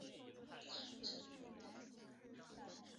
潮洲味菜师傅常利用花蟹制作冻蟹。